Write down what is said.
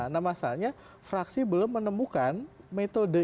nah masalahnya fraksi belum menemukan metode